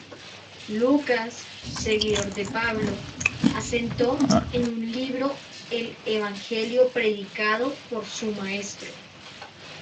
Lucas, seguidor de Pablo, asentó en un libro el evangelio predicado por su maestro.